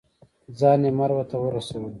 ځان یې مروه ته ورسولو.